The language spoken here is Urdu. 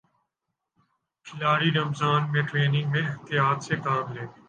کھلاڑی رمضان میں ٹریننگ میں احتیاط سے کام لیں